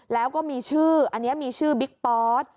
แล้วก็มีชื่ออันนี้มีชื่อบิ๊กปอส